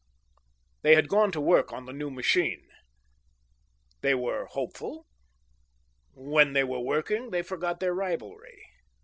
They had gone to work on the new machine. They were hopeful. When they were working, they forgot their rivalry.